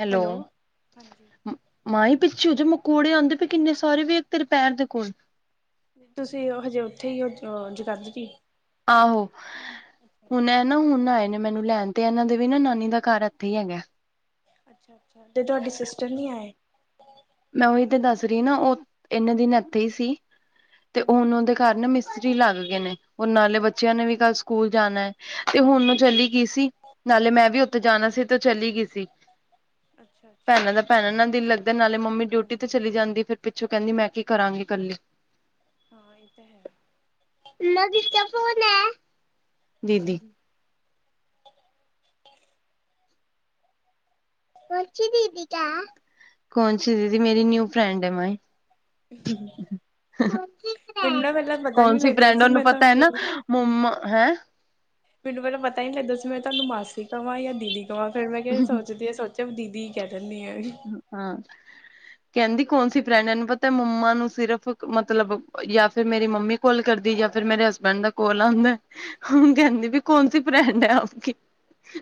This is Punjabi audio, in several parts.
ਹੈਲੋ। ਹਾਂਜੀ ਮਾਂਏ ਪਿੱਛੇ ਹੋਜਾ ਮਕੌੜੇ ਆਂਦੇ ਪੇ ਕਿੰਨੇ ਸਾਰੇ ਵੇਖ ਤੇਰੇ ਪੈਰ ਦੇ ਕੋਲ। ਤੁਸੀ ਹਜੇ ਓਥੇ ਈ ਓ ਜੁਗਾਦਰੀ? ਆਹੋ। ਹੁਨ ਏ ਨਾ ਹੁਨ ਆਏ ਨੇ ਮੈਨੂੰ ਲੈਨ ਤੇ ਐਨਾ ਦੇ ਵੀ ਨਾ ਨਾਨੀ ਦਾ ਘਰ ਐਥੇ ਹੀ ਹੈਗਾ ਐ। ਅੱਛਾ ਅੱਛਾ ਤੇ ਤੁਆਡੇ ਸਿਸਟਰ ਨੀ ਆਏ? ਮੈਂ ਓਹੀ ਤੇ ਦੱਸ ਰੀ ਨਾ ਓ ਐਨੇ ਦਿਨ ਐਥੇ ਹੀ ਸੀ ਤੇ ਹਮ ਹਮ ਓਹਨਾ ਦੇ ਘਰ ਨਾ ਮਿਸਤਰੀ ਲੱਗ ਗਏ ਨੇ ਹੁਨ ਨਾਲੇ ਅੱਛਾ ਬੱਚਿਆ ਨੇ ਵੀ ਅੱਛਾ ਕਲ ਸਕੂਲ ਜਾਨਾ ਐ ਤੇ ਹੁਨ ਹਮ ਚਲੀ ਗਈ ਸੀ ਨਾਲੇ ਮੈਂ ਵੀ ਓਥੇ ਜਾਨਾ ਸੀ ਤੇ ਚਲੀ ਗੀ ਸੀ। ਅੱਛਾ ਅੱਛਾ। ਭੈਨਾ ਨਾਲ ਦਿਲ ਲੱਗਦਾ ਨਾਲੇ ਮੰਮੀ ਡਿਊਟੀ ਤੇ ਹਾਂਜੀ ਇਹ ਤਾਂ ਚਲੀ ਹੈ ਜਾਂਦੀ ਫਿਰ ਪਿੱਛੋ ਕੇਂਦੀ ਮੈਂ ਕੀ ਕਰਾਂਗੀ ਕੱਲੀ। ਹਾਂ ਏਹ ਤੇ ਹੈ। ਮਮਾ ਕਿਸਕਾ ਫੋਨ ਐ ਦੀਦੀ। ਕੋਂਸੀ ਦੀਦੀ ਕਾ? ਕੋਨਸੀ ਦੀਦੀ ਮੇਰੀ ਨਿਊ ਫ੍ਰੈਂਡ ਐ ਮਾਹੀ। [inaudible] ਮਿਨ ਨਾ ਪੇਲੇ ਪਤਾ ਨੀ ਲੱਗਦਾ ਫਰੈਂਡ ਸੀ ਉਹਨੂੰ ਮੈਂ ਪਤਾ ਹੈ ਤਾਨੂੰ ਨਾ ਮੰਮਾ ਹੈਂ ਮੈਨੂੰ ਪੇਲਾ ਪਤਾ ਈ ਨੀ ਲੱਗਦਾ ਸੀ ਮੈਂ ਤਾਨੂੰ ਮਾਸੀ ਕਵਾ ਯਾ ਦੀਦੀ ਕਵਾ ਫੇਰ ਮੈਂ ਕਯਾ ਸੋਚਦੀ ਆ ਸੋਚ ਫੇਰ ਮੈਂ ਦੀਦੀ ਈ ਕੇ ਦੇਨੀ ਆ। ਹਾਂ। ਕੈਂਦੀ ਕੌਨਸੀ ਫਰੈਂਡ ਏਹਨੂੰ ਪਤਾ ਮੰਮਾ ਨੂੰ ਸਿਰਫ ਇਕ ਮਤਲਬ ਯਾ ਫੇਰ ਮੇਰੀ ਮੰਮੀ ਕੋਲ ਕਰਦੀ ਯਾ ਫਿਰ ਮੇਰੇ ਹਸਬੈਂਡ ਦਾ ਕੋਲ ਆਂਦਾ ਐ ਹੁਨ ਕੇਂਦੀ ਪੀ ਕੌਨ ਸੀ ਪਰੈਂਡ ਐ ਆਪਕੀ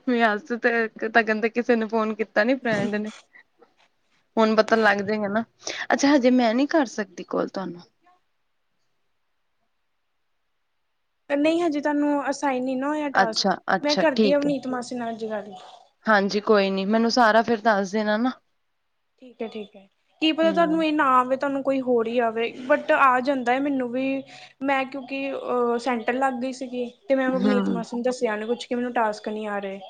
ਮੈਂ ਅਸ ਤੇ ਤਗਨ ਤੇ ਕਿਸੇ ਨੂੰ ਫੋਨ ਕੀਤ ਤਨੀ ਫ੍ਰੇਂਡ ਨੇ। ਹੁਨ ਪਤਾ ਲੱਗ ਜੇਗਾ ਨਾ ਅੱਛਾ ਹਜੇ ਮੈਂ ਨੀ ਕਰ ਸਕਦੀ ਕੋਲ ਤਾਨੂੰ? ਨਈ ਹਜੇ ਤਾਨੂੰ ਅਸਾਈਨ ਨੀ ਨਾ ਹੋਆ ਟਾਸਕ ਅੱਛਾ ਮੈਂ ਅੱਛਾ ਕਰਦੀ ਆ ਅੱਜ ਠੀਕ ਹੈ ਅਵਨੀਤ ਮਾਸੀ ਨਾਲ ਅੱਜ ਗੱਲ। ਹਾਂਜੀ ਕੋਈ ਨੀ ਮੈਨੂੰ ਸਾਰਾ ਹਾਂਜੀ ਫਿਰ ਦੱਸ ਦੇਨਾ ਨਾ। ਠੀਕ ਐ ਠੀਕ ਐ ਕੀ ਪਤਾ ਹਮ ਤਾਂਨੂੰ ਐ ਨਾ ਆਵੈ ਤਾਨੂੰ ਕੋਈ ਹੋਰ ਈ ਆਵੇ ਬਟ ਆ ਜਾਂਦਾ ਏ ਮੈਨੂੰ ਵੀ ਮੈਂ ਕਿਉਂਕਿ ਅ ਸੈਂਟਰ ਲੱਗ ਗਈ ਸੀਗੀ। ਤੇ ਮੈ ਅਵਨੀਤ ਹਮ ਮਾਸੀ ਨੂੰ ਦੱਸਿਆ ਨੀ ਕੁਛ ਕਿ ਮੈਨੂੰ ਟਾਸਕ ਨੀ ਆ ਰਹੇ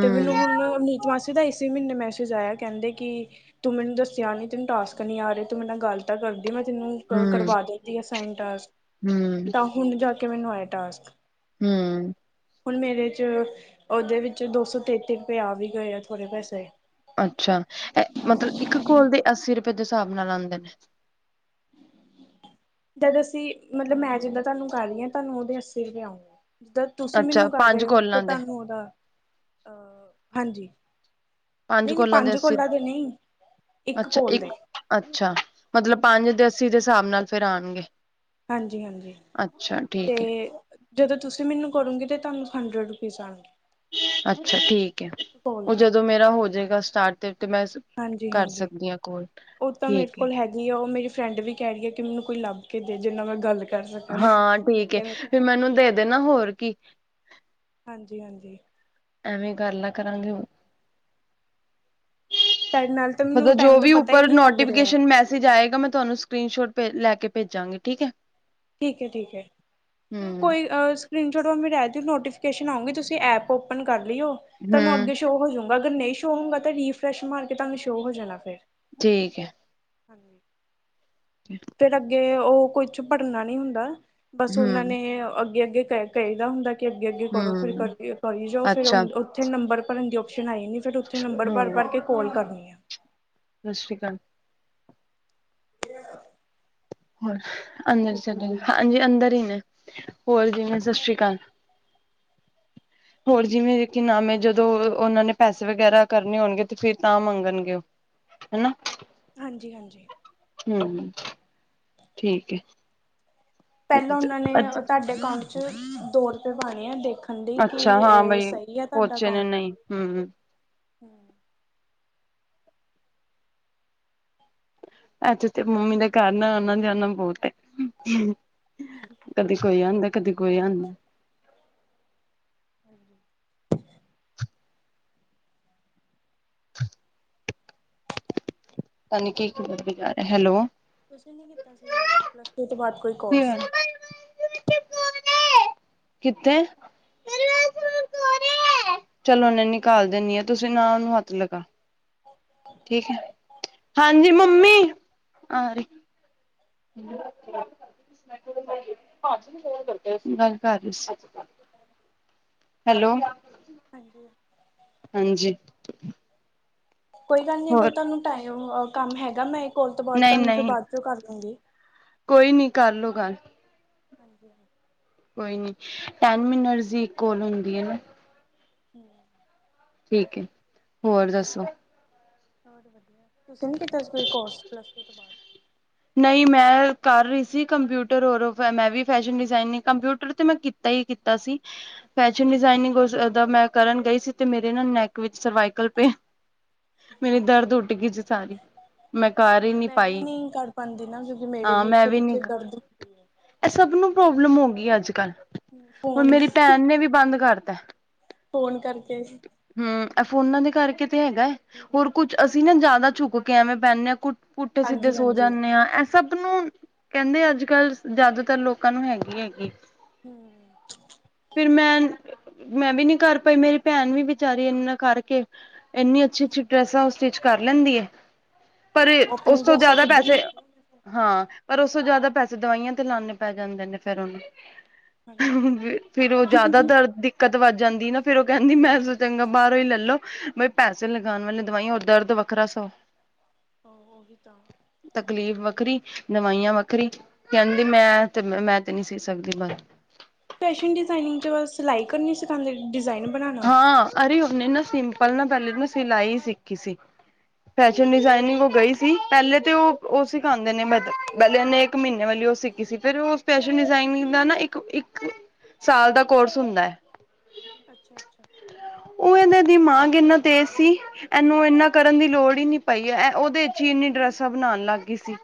ਤੇ ਮੈਨੂੰ ਹੁਨ ਅਵ ਮਾਸੀ ਦਾ ਇਸੀ ਮੀਨੇ ਮੈਸੇਜ ਆਇਆ ਕੇਂਦੇ ਕਿ ਤੂੰ ਮਨੂੰ ਦੱਸਿਆ ਨੀ ਤੈਨੂੰ ਟਾਸਕ ਨੀ ਆ ਰਹੇ ਤੂੰ ਮੇਰੇ ਨਾਲ ਗੱਲ ਤਾਂ ਕਰਦੀ ਮੈਂ ਤਨੂੰ ਕਰਵਾ ਹੂੰ-ਹੂੰ-ਹੂੰ ਦਿੰਦੀ ਅਸਾਇਨ ਟਾਸਕ ਤਾ ਹੁਨ ਜਾ ਕੇ ਮੈਨੂੰ ਆਏ ਟਾਸਕ। ਹੂੰ। ਹੁਨ ਮੇਰੇ ਚ ਓਦੇ ਵਿੱਚ ਦੋਸੌ ਤੇਤੀ ਰੁਪਏ ਆ ਵੀ ਗਏ ਆ ਥੋੜੇ ਪੈਸੇ। ਅੱਛਾ ਮਤਲਬ ਇੱਕ ਕੋਲ ਦੇ ਅੱਸੀ ਰੁਪੇ ਦੇ ਸਾਬ ਨਾਲ ਆਂਦੇ ਨੇ? ਜਦ ਅਸੀ ਮਤਲਬ ਮੈਂ ਜਿੱਦਾ ਤਾਨੂੰ ਕਰ ਰੀ ਆ ਤਾਂਨੂੰ ਓਦੇ ਅੱਸੀ ਰੁਪੇ ਆਉਨਗੇ ਜਿੱਦਾ ਤੁਸੀ ਅੱਛਾ ਮਨੂੰ ਕਰ ਪੰਜ ਰੇ ਓ ਤੇ ਕੋਲਾਂ ਦੇ ਤਾਨੂੰ ਓਦਾ ਅ ਹਾਂਜੀ। ਨੀ ਨੀ ਪੰਜ ਕੋਲਾ ਦੇ ਨੀ। ਅੱਛਾ ਇੱਕ ਅੱਛਾ ਮਤਲਬ ਪੰਜ ਹਾਂਜੀ ਦੇ ਅੱਸੀ ਦੇ ਸਾਬ ਨਾਲ ਫਿਰ ਆਨਗੇ। ਹਾਂਜੀ-ਹਾਂਜੀ, ਤੇ ਜਦੋਂ ਤੁਸੀਂ ਮਨੂੰ ਕਰੋਗੇ ਤੇ ਤੁਹਾਨੂੰ ਹੰਡਰਡ ਰੁਪੀਸ ਆਣਗੇ। ਅੱਛਾ ਠੀਕ ੲੈ, ਓ ਦੇ ਜਦੋਂ ਮੇਰਾ ਹੋਜੇਗਾ ਸਟਾਟ ਤੇ-ਤੇ ਮੈਂ ਕਰ ਹਾਂਜੀ-ਹਾਂਜੀ, ਸਕਦੀ ਆ ਕੋਲ ਓ ਤਾਂ ਮੇਰੇ ਠੀਕ ਐ ਕੋਲ ਹੈ ਵਿ ਓ ਮੇਰੀ ਫਰੈਂਡ ਵੀ ਕੈ ਰੀ ਏ ਕੀ ਮੈ ਕੋਈ ਲੱਭ ਦੇ ਜਿੰਨਾ ਮੈਂ ਗੱਲ ਕੱਰ ਸਕਾ, ਹਾਂ ਮੈਂ ਠੀਕ ਐ ਕੇਆ ਮੇਤੋ ਫਿਰ ਹੈਗੇ ਮੈਨੂੰ ਐ- ਦੇ ਦੇਣਾ ਹੋਰ ਕੀ? ਹਾਂਜੀ-ਹਾਂਜੀ ਐਵੇਂ ਕੱਰਲਾ ਕਰਾਂਗੇ ਹੋ ਤੁਹਾਡੇ ਨਾਲ ਤਾਂ ਮਤਬ ਮੈਨੂੰ ਜੋ ਟਾਈਮ ਤੋਂ ਵੀ ਪਤਾ ਹੀ ਉੱਪਰ ਨਹੀਂ ਲੱਗ ਰਿਹਾ ਨੋਟੀਵਿਕੇਸ਼ਨ ਮੈਸੇਜ ਆਏਗਾ ਮੈਂ ਤੁਵਾਨੂੰ ਸਕਰੀਨ ਸ਼ੋਟ ਭੇ, ਲੈ ਕੇ ਭੇਜਾਂਗੀ ਠੀਕ ਐ? ਠੀਕ ਐ, ਠੀਕ ਐ, ਤੇ ਹੂੰ ਕੋਈ ਅਸ ਸਕਰਿਣਸੋਟ ਅੋਰ ਮੇਰੇ ਆਏ ਥਿੰਗ ਨੋਟੀਫਿਕੇਸ਼ਨ ਆਉਂਗੇ ਤੁਸੀਂ ਐਪ ਓਪਨ ਕੱਰ ਲਿਓ ਤਾਨੂੰ, ਹੂੰ ਅੱਗੇ ਸ਼ ਸ਼ੋ ਹੋਜਊਗਾ, ਅਗਰ ਨਈ ਸ਼ੋ ਹੋਊਗਾ ਤਾਂ ਰੀਫਰੈਸ਼ ਮਾਰ ਕੇ ਤਾਨੂੰ ਸ਼ੋ ਹੋ ਜਾਣਾ ਫੇਰ। ਠੀਕ ਐ। ਹਾਂਜੀ। [unintelligible] ਅੱਗੇ ਓ ਕੁਛ ਭਰਨਾ ਨੀ ਹੁੰਦਾ, ਬਸ ਓਨਾਂ ਹੂੰ ਨੇ ਅੱਗੇ-ਅੱਗੇ ਕ ਕਏਦਾ ਹੁੰਦਾ ਅੱਗੇ, ਅੱਗੇ, ਅੱਗੇ ਕਰੋ ਫੇਰ ਹੂੰ ਕਰਕੇ, ਕਰੀ ਜਾਓ। ਫੇਰ ਅੱਛਾ ਉੱਥੇ ਨੰਬਰ ਭਰਨ ਦੀ ਓਪਸ਼ਨ ਆਈ ਯਾਦੀ। ਫੇਰ ਉੱਥੇ ਨੰਬਰ ਭੱਰ-ਭੱਰ ਕੇ ਕੋਲ ਕਰਨੀ ਆ। ਸਸ਼੍ਰੀ ਕਾਲ। ਕੇਆ ਹੋਰ, ਹਾਜੀ ਅੰਦਰ ਈ ਨੇ। ਹੋਰ ਕਿਵੇਂ ਸਸ਼੍ਰੀ ਕਾਲ। [inaudible] ਹੋਰ ਜਿਵੇਂ ਕਿ ਨਾਮ ਏ ਜਦੋਂ ਓ ਓਨਾਂ ਨੇ ਪੈਸੇ ਵਗੈਰਾ ਕਰਨੇ ਹੋਣਗੇ ਤੇ ਫੇਰ ਤਾਂ ਮੰਗਣਗੇ ਓ। ਹਣਾ। ਹਾਂਜੀ-ਹਾਂਜੀ। ਹੁ-ਹੁ ਠੀਕ ਐ। ਪੈਲਾਂ ਓਨਾਂ ਨੇ ਤਾਡੇ ਕਾਊਟ ਚ ਦੋ ਰਪਏ ਪਾਣੇ ਆ ਦੇਖ ਹਾਡੀ ਕੀ ਅੱਛਾ ਏ, ਸਹੀ ਐ ਤਾਡਾ ਕੱਊ। ਹੁ-ਹੁ। [inaudible] ੲੈਥੇ ਤੇ ਮੰਮੀ ਦੇ ਘੱਰ ਨਾ ਆਣਾ-ਜਾਣਾ ਬੋਤ ਐ। [unintelligible] ਕਦੀ ਕੋਈ ਆਦਾ, ਕਦੀ ਕੋਈ ਆਦਾ। [inaudible] [inaudible] ਹੈਲੋ। ਤੁਸੀਂ ਨੀ ਕੀਤਾ ਸੀ ਗਾ ਪਲੱਸ ਟੂ ਤੋਂ ਬਾਅਦ ਕੋਈ ਕੋਰਸ? ਕਿਥੇ। ਚਲੋ, ਨਿੰਨੀ ਕੱਰ ਦਿੰਣੀ ਆਂ, ਤੁਸੀਂ ਨਾ ਉਨੂੰ ਹੱਥ ਲਗਾ। ਠੀਕ ਐ। ਹਾਂਜੀ ਮੰਮੀ। ਆਰੀ। ਗਾੱਲ ਕਾਰ ਰੀ ਸੀ। ਹੈਲੋ। ਹਾਂਜੀ। ਹਾਂਜੀ। ਕੋਈ ਗਾੱਲ ਨੀ ਅਗਰ ਹੋਰ ਤੋਨੂੰ ਟਾਓ ਕਾੰਮ ਹੈਗਾ ਮੈਂ ਕੋਲ ਤੋ ਬਾਦ ਨਹੀਂ ਤੋਆਨੂੰ ਫੇਰ ਨਹੀਂ ਬਾਦ ਚੋ ਕਾਰ ਲੂੰਗੀ। ਕੋਈ ਨੀ ਕਾਰਲੋ ਗਾੱਲ। ਹਾਂਜੀ-ਹਾਂਜੀ। [inaudible] [inaudible] ਠੀਕ ਏ ਹੋਰ ਦੱਸੋ। ਬੋਹਤ ਵਦੀਆ ਤੁਸੀ ਨੀ ਕੀਤਾ ਸੀ ਕੋਰਸ ਪਲੱਸ ਟੂ ਤੋ ਬਾਦ। ਨਈ ਮੈਂ ਕਾਰ ਰੀ ਸੀ ਕੰਪਯੁਟਰ ਹੋਰ ਮੈਂ ਵੀ ਫੈਸ਼ਨ ਡਿਜ਼ਾਇਨਿਗ ਕੰਪਯੁਟਰ ਤੇ ਮੈਂ। ਨਈ ਕੀਤਾ ਸੀ ਅੱਛਾ ਫੈਸ਼ਨ ਅੱਛਾ। ਡਿਜ਼ਾਇਨਿਗ ਓਦਾ ਮੈਂ। ਕਰਨ ਗਈ ਸੀ ਤੇ ਮੇਰੇ ਨਾਲ ਨੈਕ ਵਿੱਚ ਸਰਵਾਈਕਲ ਪੇਨ। ਮੇਰੀ ਦਰਦ ਉੱਠ ਗੀ ਸੀ ਸਾਰੀ ਮੈਂ ਕਾਰ ਈ ਨੀ ਮੈਂ ਵੀ ਪਾਈ। [inaudible] ਹਾਂ ਮੈਂ ਇੱਥੇ ਵੀ ਨੀ ਪਿੱਛੇ ਦਰਦ ਕਰ ਐ ਸਭ ਨੂੰ ਪ੍ਰੋਬਲਮ ਹੋ ਗੀ ਐ ਅੱਜ-ਕੱਲ। ਹੁਨ ਫੋਨ ਮੇਰੀ ਪੈਨ ਨੇ ਵੀ ਬਾੰਦ ਕਾਰਤਾ। ਫੋਨ ਕਾਰਕੇ। ਹੂੰ ਐ ਫੋਨਾ ਦੇ ਕਾਰਕੇ ਤੇ ਹੈਗਾ ਹੋਰ ਕੁੱਛ ਅਸੀ ਨਾ ਜਾਦਾ ਝੁੱਕ ਕੇ ਐਵੇਂ ਬੈਨੇ ਆਂ ਕੁ ਪੁੂਠੇ ਸਿੱਧੇ ਹਾਂਜੀ ਸੋਚ। ਹਾਂਜੀ ਐ ਸਭ ਨੂੰ ਕੈਂਦੇ ਅੱਜ-ਕੱਲ ਜੈਦਾਤਰ ਲੋਕਾਂ ਨੂੰ ਹੈਗੀ ਈ ਹੈਗੀ। ਹੂੰ। ਫਿਰ ਮੈਂ, ਮੈਂ ਵੀ ਨੀ ਕਾਰ ਪਾਈ ਮੇਰੀ ਪੈਨ ਵੀ ਵਿਚਾਰੀ ਐਨਾ ਕਾਰਕੇ। ਐਨੀ ਅੱਛੀ-ਅੱਛੀ ਡਰੈਸਾਂ ਸਟਿਚ ਕਾਰ ਲੈਂਦੀ ਏ ਪਰ ਅੱਛਾ ਓਸ ਆਪਣੇ ਤੋ ਜੈਸਾ ਜਾਦਾ ਖੁਦ ਪੈ ਹੀ ਬਣਾ ਹਾਂ ਪਰ ਓਸ ਤੋ ਜਾਦਾ ਪੈਸੇ ਦਵਾਈਆਂ ਤੇ ਲਾਨੇ ਪੈ ਜਾਂਦੇ ਨੇ ਫੇਰ ਓਨੂੰ। ਹਾਂਜੀ ਹ ਫੇਰ ਓ ਜਾਦਾ ਦਰਦ ਦਿੱਕਤ ਵੱਧ ਜਾਂਦੀ ਨਾ ਫ਼ਰ ਓ ਕੈਂਦੀ ਮੈਂ ਐਸ ਸੋ ਹੂੰ ਚੰਗਾ। ਬਾਰੋਂ ਈ ਲੈਲੋ ਬਈ ਪੈਸੇ ਲਗਾਨ ਵਾਲੀ ਦਵਾਈਆਂ ਓਰ ਦਰਦ ਵੱਖਰਾ ਸਓ। ਓ ਓਵੀ ਤਾਂ। ਤਕਲੀਫ਼ ਵੱਖਰੀ ਦਵਾਈਆਂ ਵੱਖਰੀ ਕੈਂਦੀ ਮੈਂ ਤੇ ਮੈਂ ਤੇ ਨੀ ਸੀ ਸਕਦੀ ਬਾੱਸ। ਫੈਸ਼ਨ ਡਿਜ਼ਾਈਨਿਗ ਚ ਸਿਲਾਈ ਕਰਨੀ ਸਿਖਾਂਦੇ ਡਿਜ਼ਾਇਨ ਬਣਾਉਣਾ ਹਾਂ ਅਰੇ ਓਨੇ ਨਾ ਸਿੰਪਲ ਨਾ ਪੈਲੇ ਮੈਂ ਸਿਲਾਈ ਸਿੱਖੀ ਸੀ। ਫੈਸ਼ਨ ਡਿਜ਼ਾਈਨਿਗ ਅੱਛਾ ਓ ਗਈ। ਸੀ ਪੈਲੇ ਤੇ ਓ, ਓ ਸਿਖਾਂਦੇ ਨੇ ਪੈਲੇ ਓਨੇ ਏਕ ਮੀਨੇ ਵਾਲੀ ਓ ਸਿੱਖੀ ਸੀ ਫੇਰ ਓ। ਫੈਸ਼ਨ ਡਿਜ਼ਾਇਨਿਗ ਦਾ ਨਾ ਇੱਕ-ਇੱਕ ਸਾਲ ਦਾ ਕੋਰਸ ਹੁੰਦਾ। ਅੱਛਾ-ਅੱਛਾ। ਓ‌ ਐਨਾ ਦਿਮਾਗ ਏਨਾ ਤੇਜ਼ ਸੀ। ਐਨੂੰ ਐਨਾ ਕਰਨ ਦੀ ਲੋੜ ਈ ਨੀ ਪਈ ਐ ਓਦੇ ਚ ਈ ਇੰਨੀ ਡਰੈਸਾਂ ਬਨਾਨ ਲਾੱਗ ਗੀ ਸੀ।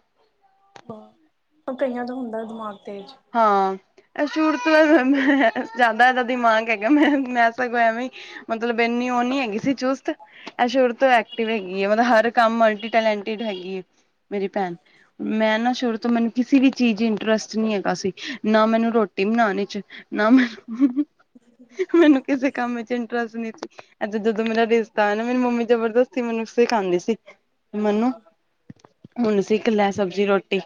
[unintelligible] ਕਈਆਂ ਦਾ ਹੁੰਦਾ ਦਮਾਗ ਤੇਜ। ਹਾਂ। ਸੂਰ ਤੋ ਜਾਦਾ ਐਦਾ ਦਿਮਾਗ ਹੈਗਾ ਮੈਂ, ਮੈਂ ਸਗੋਂ ਐਂਵੇ ਈ। ਮਤਲਬ ਐਨੀ ਓ ਨੀ ਹੈਗੀ ਸੀ ਚੁਸਤ ਐ ਸ਼ੁਰੂ ਤੋਂ। ਐਕਟਿਵ ਅੱਛਾ ਹੈਗੀ ਅੱਛਾ ਏ ਮਤਲਬ ਹਰ ਕਾੰਮ ਮਲਟੀ ਟੈਲੈਂਟੀਡ ਹੈਗੀ ਏ ਮੇਰੀ ਪੈਨ। ਮੈਂ ਨਾ ਸ਼ੁਰੂ ਤੋਂ ਮੈਨੂੰ ਕਿਸੀ ਵੀ ਚੀਜ਼ ਇੰਟਰਸਟ ਨੀ ਹੈਗਾ ਸੀ ਨਾ ਮੈਨੂੰ ਰੋਟੀ ਬਨਾਨ ਇਚ। ਕੰਮ ਮੈਨੂੰ ਕਿਸੇ ਕੰਮ 'ਚ ਇੰਟਰਸਟ ਨਈ। ਤੇ ਜਦੋਂ ਮੇਰਾ ਰਿਸ਼ਤਾ ਆਇਆ ਨਾ ਮੇਰੀ ਮੰਮੀ ਜਬਰਦਸਤੀ ਮੈਨੂੰ ਸਿਖਾਂਦੀ ਸੀ ਮੰਨੋ ਹੁਣ ਸਿੱਖ ਲੈ ਸਬਜ਼ੀ ਰੋਟੀ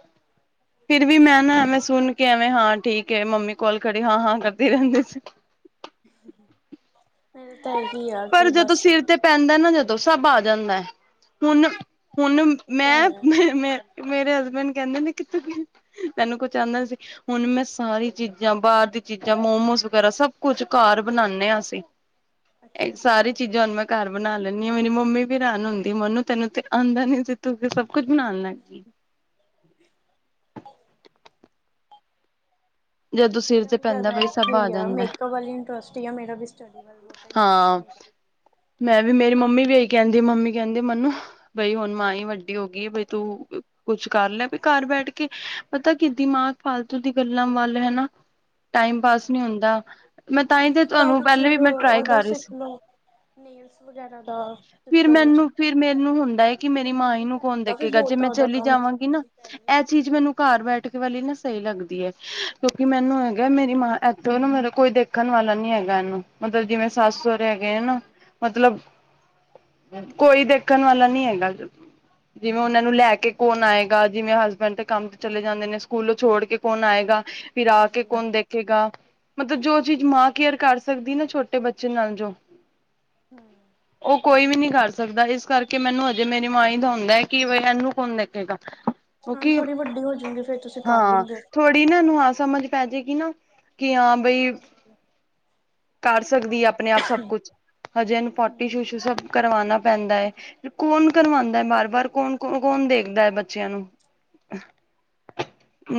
ਫਿਰ ਵੀ ਮੈਂ ਨਾ ਐਵੇਂ ਸੁਣ ਐਵੇਂ ਹਾਂ ਠੀਕ ਹੈ ਮੰਮੀ ਕੋਲ ਖੜੀ ਹਾਂ-ਹਾਂ ਕਰਦੀ ਰੈਂਦੀ ਸੀ। ਮੇਰੇ ਤਾਂ ਇਹੀ ਆ ਪਰ ਕਿ ਜਦੋਂ ਬਸ ਸਿਰ ਤੇ ਪੈਂਦਾ ਨਾ ਜਦੋਂ ਸਭ ਆ ਜਾਂਦਾ ਹੁਣਹੁਣ ਤਾਂ ਹੈ ਮੈਂ-ਮੈਂ ਮੇਰੇ ਹਸਬੈਂਡ ਕੈਂਦੇ ਨੇ ਕਿ ਤੈਨੂੰ ਕੁਛ ਆਂਦਾ ਸੀ। ਹੁਣ ਮੈਂ ਸਾਰੀ ਚੀਜ਼ਾਂ ਬਾਰ ਦੀ ਚੀਜ਼ਾਂ ਮੋਮੋ ਵਗੈਰਾ ਸਭ ਕੁਛ ਘਰ ਬਣਾਣੇ ਆਂ ਅਸੀ ਐ ਅੱਛਾ ਸਾਰੀ ਅੱਛਾ ਚੀਜ਼ਾਂ ਹੁਣ ਮੈਂ ਘਰ ਬਣਾ ਲੈਣੀ ਆ ਮੇਰੀ ਮੰਮੀ ਵੀ ਹੈਰਾਨ ਹੁੰਦੀ ਮਨੂੰ ਤੈਨੂੰ ਤੇ ਆਂਦਾ ਨੀ ਸੀ ਤੁਸੀਂ ਸਭ ਕੁਛ ਬਣਾ ਲੱਗ ਗਈ। [inaudible] ਜਦੋਂ ਸਿਰ ਮੇਰਾ ਤੇ ਵੀ ਪੈਂਦਾ ਜਾਦਾ ਬਈ ਸਭ ਇੱਥੇ ਹੀ ਆ ਜਾਂਦਾ ਮੇਕਅਪ ਵੱਲ ਈ ਇੰਟਰਸਟ ਆ ਮੇਰਾ ਵੀ ਸਟੱਡੀ ਵੱਲ ਬਹੁਤਾ ਇੰਟਰਸਟ ਹਾਂ ਨਹੀਂ ਹੈਗਾ ਮੈਂ ਵੀ ਮੇਰੀ ਮੰਮੀ ਵੀ ਇਹੀ ਕੈਂਦੀ ਮੰਮੀ ਕੈਂਦੀ ਮੈਨੂੰ ਬਈ ਹੁਣ ਮਾਂ ਈ ਵੱਡੀ ਹੋ ਗਈ ਬਈ ਤੂੰ ਕੁਛ ਕਰ ਲੈ ਵੀ ਘਰ ਬੈਠ ਕੇ ਪਤਾ ਕੀ ਦਿਮਾਗ ਫਾਲਤੂ ਦੀ ਗੱਲਾਂ ਵੱਲ ਹਨਾ। ਟਾਈਮ ਹਾਂਜੀ ਪਾਸ ਨਈ ਹਾਂਜੀ ਹੁੰਦਾ ਮੈਂ ਤਾਂਹੀ ਤੇ ਤੁਹਾਨੂੰ ਪੈਲੇ ਵੀ ਮੈਂ ਟਰਾਈ ਉਦੋਂ ਕਰ ਰਹੀ ਸਿੱਖ ਸੀ ਲਓ। ਨੇਲਸ ਵਗੈਰਾ ਦਾ ਸਿੱਖ ਫਿਰ ਲਓ ਕੁਝ ਮੈਨੂੰ ਫਿਰ ਮੈਨੂੰ ਹੁੰਦਾ ਹੈ ਕਿ ਮੇਰੀ ਉਹ ਮਾਂ ਈ ਦਿੱਲੀ ਨੂੰ ਤਾਂ ਕੌਣ ਹੈਗਾ ਵੀ ਦੇਖੇਗਾ ਜੇ ਬਹੁਤ ਆ ਮੈਂ ਉਹਦਾ ਚਲੀ ਕੰਮ ਜਾਵਾਂਗੀ ਨਾ ਕਹਿ ਰਹੇ ਐ ਚੀਜ਼ ਮੈਨੂੰ ਘਰ ਬੈਠ ਕੇ ਵਾਲੀ ਨਾ ਸਈ ਲੱਗਦੀ ਏ ਕਿਉਂਕਿ ਮੈਨੂੰ ਹੈਗਾ ਮੇਰੀ ਮਾਂ ਇੱਥੋਂ ਨਾ ਮਤਲਬ ਕੋਈ ਦੇਖ ਰਖਣ ਵਾਲਾ ਨੀ ਹੈਗਾ ਇਨੂੰ ਮਤਲਬ ਜਿਵੇਂ ਹਾਂਜੀ ਹਾਂਜੀ ਸੱਸ ਸਹੁਰੇ ਤੁਹਾਡੀ ਹੈਗੇ ਨਾ। ਕੁੜੀ ਮਤਲਬ ਕੋਈ ਦੇਖਣ ਵਾਲਾ ਨੀ ਹੈਗਾ ਜਿਵੇਂ ਉਨਾਂ ਹਮ ਨੂੰ ਲੈ ਕੇ ਕੌਣ ਆਏਗਾ ਜਿਵੇਂ ਹਸਬੈਂਡ ਦੇ ਕੰਮ ਤੇ ਚਲੇ ਜਾਂਦੇ ਨੇ ਸਕੂਲ ਛੋੜ ਕੇ ਕੌਣ ਆਏਗਾ। ਫਿਰ ਆ ਕੇ ਹਾਂਜੀ ਹਾਂ ਕੌਣ ਦੇਖੇਗਾ ਮਤਲਬ ਜੋ ਚੀਜ਼ ਮਾਂ ਕੇਅਰ ਕਰ ਸਕਦੀ ਨਾ। ਛੋਟੇ ਬੱਚੇ ਨਾਲ ਜੋ ਹਾਂ, ਓ ਕੋਈ ਵੀ ਨਈ ਕਰ ਸਕਦਾ ਇਸ ਕਰਕੇ ਮੈਨੂੰ ਹਜੇ ਮੇਰੀ ਮਾਂ ਈ ਦਾ ਹੁੰਦਾ ਹੈ ਕਿ ਇਨੂੰ ਕੌਣ ਦੇਖੇਗਾ। ਹਾਂ ਕਿਉਂਕਿ ਥੋੜ੍ਹੀ ਵੱਡੀ ਹੋ ਜਾਊਗੀ ਫੇਰ ਤੁਸੀਂ ਕਰ ਹਾਂ ਲੋਂਗੇ। ਥੋੜ੍ਹੀ ਨਾ ਉਨੂੰ ਆ ਸਮਝ ਪੈ ਜਾਏਗੀ ਨਾ ਕਿ ਹਾਂ ਬਈ [inaudible] ਕਰ ਸਕਦੀ ਆ ਆਪਣੇ ਆਪ ਸਭ ਕੁਛ ਹਜੇ ਇਨੂੰ ਹਮ ਪੋਟੀ, ਸ਼ੂਸ਼ੂ ਸਭ ਕਰਵਾਣਾ ਪੈਂਦਾ ਐ ਕੌਣ ਕਰਵਾਂਦਾ ਐ ਸੋਚ ਕੇ ਬਾਰ-ਬਾਰ ਕੌਣ- ਚਾਹੀਦਾ ਕੌਣ ਕੌਣ ਦੇਖਦਾ ਐ ਬੱਚਿਆਂ ਨੂੰ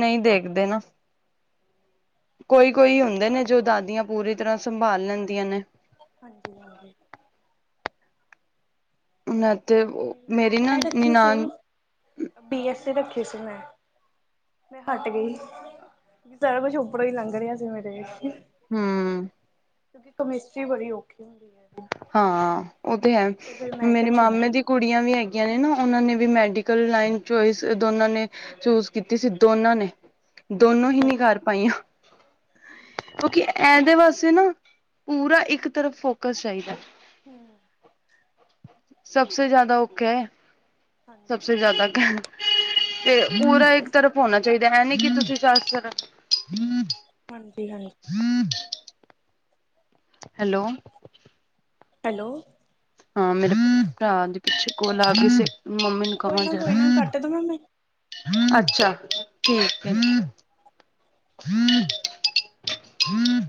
ਨਈ ਦੇਖਦੇ ਨਾ। ਕੋਈ-ਕੋਈ ਹੁੰਦੇ ਨੇ ਜੋ ਦਾਦੀਆਂ ਪੂਰੀ ਤਰ੍ਹਾਂ ਸੰਭਾਲ ਲੈਂਦੀਆਂ ਨੇ। ਹਾਂਜੀ-ਹਾਂਜੀ ਮੈਂ ਵੀ ਮੇਰੀ ਨਾ ਮੈਂ ਰੱਖੀ ਸੀ ਨਨਾਨ ਬੀ ਐਸ ਸੀ ਰੱਖੀ ਸੀ ਮੈਂ ਮੈਂ ਹਟ ਗਈ ਸਾਰਾ ਕੁਛ ਉੱਪਰੋਂ ਹੀ ਲੰਘ ਰਿਆ ਸੀ ਮੇਰੇ ਹੂੰ, ਕਿਉਂਕਿ ਕਮਿਸਟਰੀ ਬੜੀ ਔਖੀ ਹੁੰਦੀ ਐ। ਹਾਂ ਓ ਤੇ ਹੈ ਮੇਰੇ ਕਿਹਾ ਮਾਮੇ ਛੱਡੋ ਦੀ ਕੁੜੀਆਂ ਵੀ ਹੈਗੀਆਂ ਨੇ ਨਾ ਉਨਾਂ ਨੇ ਵੀ ਮੈਡੀਕਲ ਲਾਈਨ ਚੋਇਸ ਦੋਨਾਂ ਨੇ ਚੂਜ ਕੀਤੀ ਸੀ ਦੋਨਾਂ ਨੇ ਦੋਨੋ ਹੀ ਅੱਛਾ ਨਈ ਕਰ ਪਾਈਆਂ। ਕਿਉਂਕਿ ਇਦੇ ਵਾਸੇ ਨਾ ਪੂਰਾ ਇੱਕ ਤਰਫ ਫੋਕਸ ਚਾਈਦਾ। ਹੂੰ, ਸਭ ਸੇ ਜਾਦਾ ਔਖਾ ਐ ਸਭ ਹਾਂਜੀ ਸੇ ਹਾਂਜੀ ਜਾਦਾ ਕੈ ਤੇ ਪੂਰਾ ਇੱਕ ਤਰਫ ਹੋਣਾ ਚਾਈਦਾ ਐ ਨੀ ਕਿ ਤੁਸੀਂ ਸਾਰੀ ਤਰਫ਼ ਹਾਂਜੀ ਹਾਂਜੀ। [unintelligible] ਹੈਲੋ। ਹੈਲੋ। ਹਾਂ ਮੇਰੇ ਭਰਾ ਹਾਂਜੀ ਦੀ ਪਿੱਛੇ ਕੋਲ ਆ ਗਈ ਸੀ ਮੰਮੀ ਨੂੰ ਕੋਈ ਕਵਾ ਨਾ ਜ਼ਰਾ। ਕੋਈ ਨਾ ਕੱਟ ਦੇਵਾਂ ਮੈਂ ਅੱਛਾ, ਠੀਕ ਐ। ਹਮ ਹਮ।